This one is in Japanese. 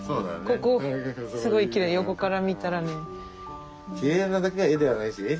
ここすごいキレイ横から見たらね。